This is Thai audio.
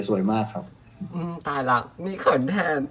ตายเหรอมีคนแทน